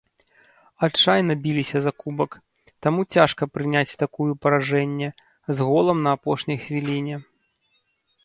Адчайна біліся за кубак, таму цяжка прыняць такую паражэнне, з голам на апошняй хвіліне.